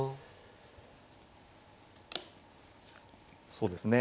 そうですね